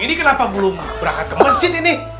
ini kenapa belum berangkat ke masjid ini